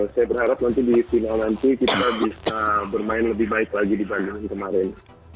saya berharap nanti di final nanti kita bisa bermain lebih baik lagi dibanding kemarin